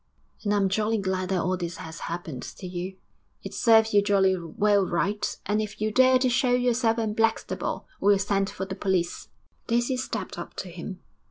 And I'm jolly glad that all this has happened to you; it serves you jolly well right. And if you dare to show yourself at Blackstable, we'll send for the police.' Daisy stepped up to him.